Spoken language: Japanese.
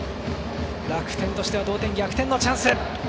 楽天としては同点、逆転のチャンス。